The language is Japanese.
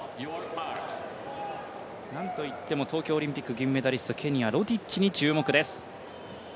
なんといっても東京オリンピック銀メダリスト、ケニアロティッチに注目です。